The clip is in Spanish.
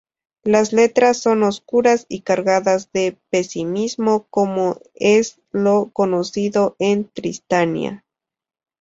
Las letras son oscuras y cargadas de pesimismo, como es lo conocido en Tristania.